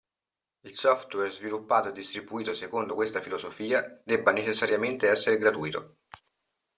Il software sviluppato e distribuito secondo questa filosofia debba necessariamente essere gratuito.